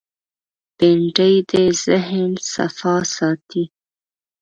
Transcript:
بېنډۍ د ذهن صفا ساتي